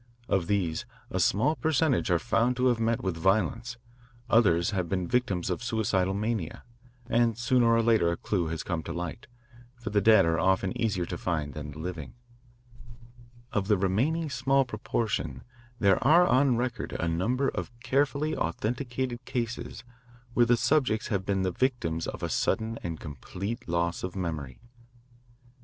Of these a small percentage are found to have met with violence; others have been victims of a suicidal mania ; and sooner or later a clue has come to light, for the dead are often easier to find than the living, Of the remaining small proportion there are on record a number of carefully authenticated cases where the subjects have been the victims of a sudden and complete loss of memory.